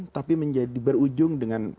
tapi menjadi berujung dengan